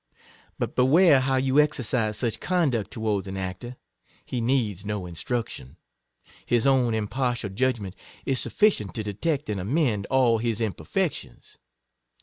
But beware how you exercise such conduct to wards an actor: he needs no instruction — his own impartial judgment is sufficient to detect and amend all his imperfections.